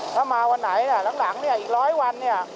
ถ้ามาวันไหนล่ะหลังเนี่ยอีกร้อยวันเนี่ย